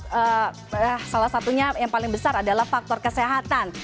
salah satunya yang paling besar adalah faktor kesehatan